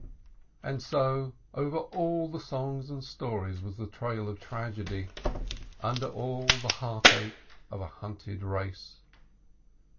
And so over all the songs and stories was the trail of tragedy, under all the heart ache of a hunted race.